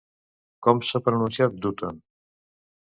Com s'ha pronunciat, Dutton?